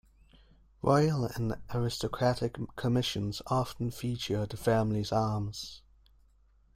Royal and aristocratic commissions often feature the family's arms.